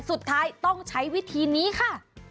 สุดท้ายต้องใช้วิธีนี้ค่ะ